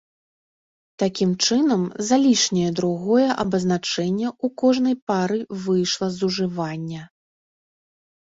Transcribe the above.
Такім чынам, залішняе другое абазначэнне ў кожнай пары выйшла з ужывання.